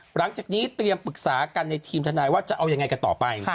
หลังจากนี้เตรียมปรึกษากันในทีมทนายว่าจะเอายังไงกันต่อไป